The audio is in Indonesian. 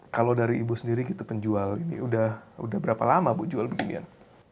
kalau dari ibu sendiri gitu penjual ini udah berapa lama bu jual beginian